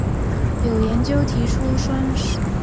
有研究提出双三嗪基吡啶。